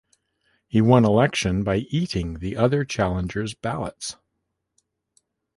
He won election by eating the other challengers' ballots.